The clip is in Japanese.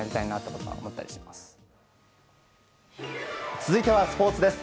続いてはスポーツです。